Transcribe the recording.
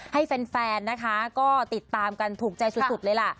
ให้แฟนนะคะก็ติดตามกันถูกใจสุดเลยล่ะ